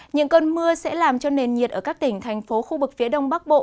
những cơn mưa sẽ làm cho nền nhiệt ở các tỉnh thành phố khu vực phía đông bắc bộ